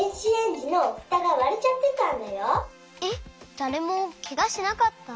だれもケガしなかった？